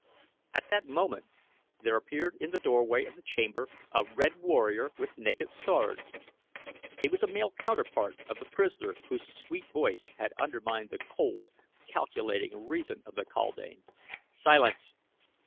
At that moment there appeared in the doorway of the chamber a red warrior with naked sword. He was a male counterpart of the prisoner whose sweet voice had undermined the cold, calculating reason of the kaldane. "Silence!"